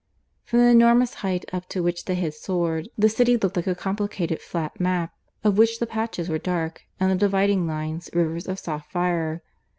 From the enormous height up to which they had soared the city looked like a complicated flat map, of which the patches were dark and the dividing lines rivers of soft fire.